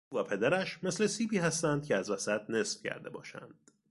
او و پدرش مثل سیبی هستند که از وسط نصف کرده باشند.